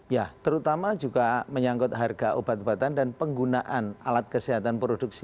ya terutama juga menyangkut harga obat obatan dan penggunaan alat kesehatan produksi